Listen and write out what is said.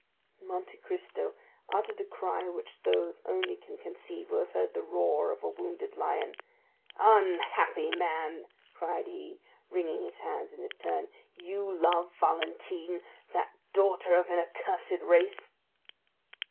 Monte Cristo uttered a cry which those only can conceive who have heard the roar of a wounded lion. "Unhappy man," cried he, wringing his hands in his turn; "you love Valentine,—that daughter of an accursed race!"